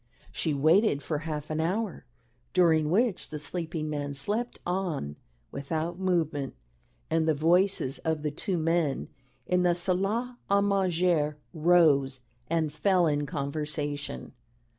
She waited for half an hour, during which the sleeping man slept on without movement, and the voices of the two men in the salle 'a manger rose and fell in conversation.